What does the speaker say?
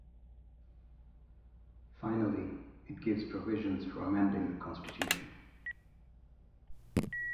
Finally, it gives provisions for amending the constitution.